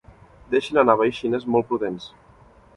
Deixin anar veixines molt pudents.